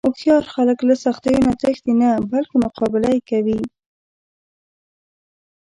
هوښیار خلک له سختیو نه تښتي نه، بلکې مقابله یې کوي.